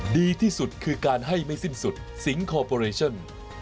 ดีที่สุดคือการให้ไม่สิ้นสุดสิงคอร์ปอเรชั่น